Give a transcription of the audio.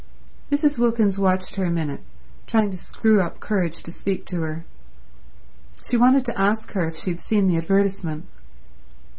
Mrs. Wilkins watched her a minute, trying to screw up courage to speak to her. She wanted to ask her if she had seen the advertisement.